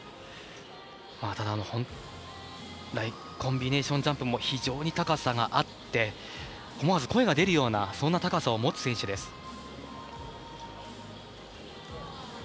ただ、本来コンビネーションジャンプも非常に高さがあって思わず声が出るようなそんな高さを持つ選手です。